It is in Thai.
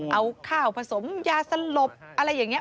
เอาข้าวผสมยาสลบอะไรอย่างนี้